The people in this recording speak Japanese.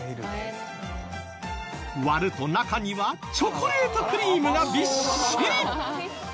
割ると中にはチョコレートクリームがビッシリ！